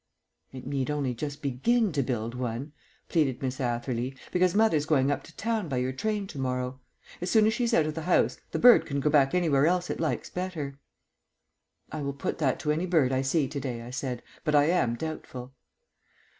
"It need only just begin to build one," pleaded Miss Atherley, "because mother's going up to town by your train to morrow. As soon as she's out of the house the bird can go back anywhere else it likes better." "I will put that to any bird I see to day," I said, "but I am doubtful."